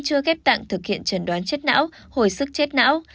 chưa ghép tạng thực hiện trần đoán chết não hồi sức chết não